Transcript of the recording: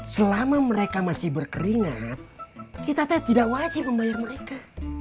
selama mereka masih berkeringat kita teh tidak wajib membayar mereka